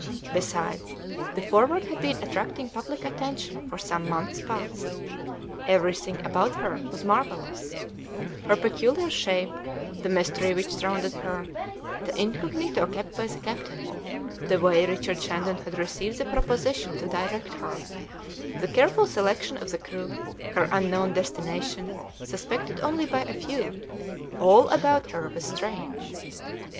Besides, the Forward had been attracting public attention for some months past. Everything about her was marvellous; her peculiar shape, the mystery which surrounded her, the incognito kept by the captain, the way Richard Shandon had received the proposition to direct her, the careful selection of the crew, her unknown destination, suspected only by a few all about her was strange.